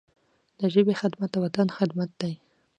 د ژبي خدمت، د وطن خدمت دی.